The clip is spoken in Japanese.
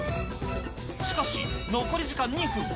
しかし、残り時間２分。